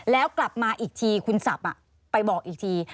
แล้วกลับมาอีกทีคุณสับไปบอกอีกที